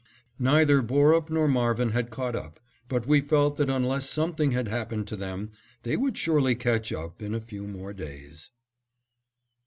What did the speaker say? Neither Borup nor Marvin had caught up, but we felt that unless something had happened to them, they would surely catch up in a few more days.